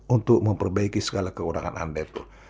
untuk memperbaiki segala kekurangan anda itu